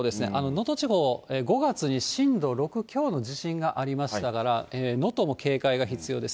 能登地方、５月に震度６強の地震がありましたから、能登も警戒が必要です。